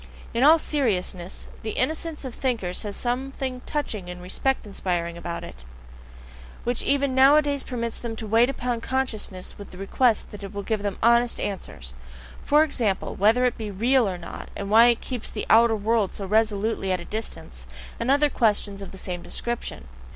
In all seriousness, the innocence of thinkers has something touching and respect inspiring in it, which even nowadays permits them to wait upon consciousness with the request that it will give them HONEST answers: for example, whether it be "real" or not, and why it keeps the outer world so resolutely at a distance, and other questions of the same description.